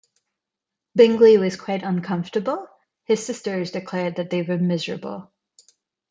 Bingley was quite uncomfortable; his sisters declared that they were miserable.